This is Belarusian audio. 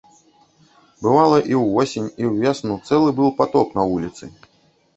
Бывала, і ўвосень, і ўвесну цэлы быў патоп на вуліцы.